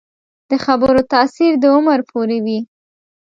د خبرو تاثیر د عمر پورې وي